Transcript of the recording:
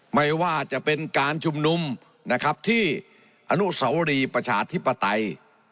ไม่ว่าจะเป็นการชุมนุมนะครับที่อนุสวรีประชาธิปไตย